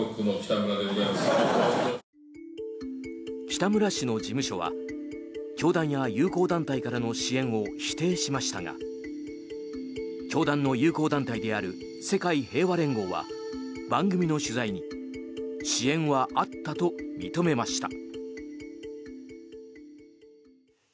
北村氏の事務所は教団や友好団体からの支援を否定しましたが教団の友好団体である世界平和連合は番組の取材に支援はあったと認めました。